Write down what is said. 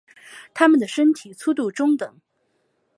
它们的身体粗度中等。